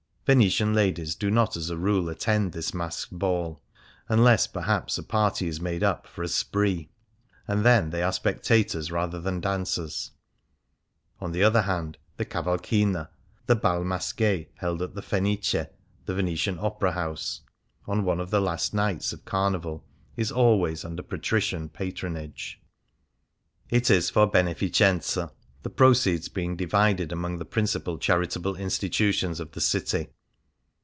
Venetian ladies do not as a rule attend this masked ball, unless perhaps a party is made up for a " spree," and then they are spectators rather than dancers. On the other hand, the Cavalchina — the hal masque held at the Fenice (the Venetian Opera House) on one of the last nights of carnival — is always under patrician patronage. It is for hcneficenza, the proceeds being divided among the principal charitable institutions of the city.